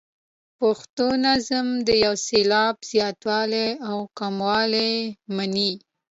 پښتو نظم د یو سېلاب زیاتوالی او کموالی مني.